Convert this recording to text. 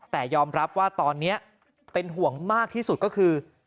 แต่ยอมรับว่าตอนนี้เป็นห่วงมากที่สุดก็คือ